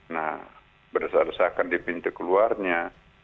nah berdasarkan di pintu keluarnya